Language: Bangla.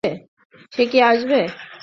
সে কি আসবে?